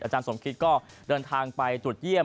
อาจารย์สมคิตก็เดินทางไปจุดเยี่ยม